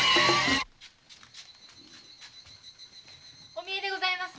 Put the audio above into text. お見えでございます。